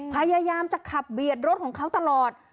พยายามจะขับเบียดรถของเขาตลอด